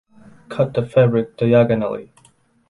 Cut the fabric diagonally.